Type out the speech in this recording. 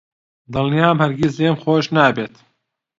دڵنیام هەرگیز لێم خۆش نابێت.